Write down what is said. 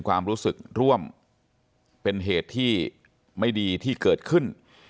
ท่านผู้ชมครับ